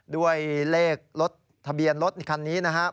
ด้วยเลขรถทะเบียนรถคันนี้นะครับ